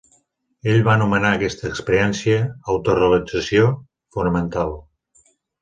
Ell va anomenar aquesta experiència "Autorrealització fonamental".